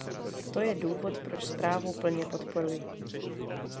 To je důvod, proč zprávu plně podporuji.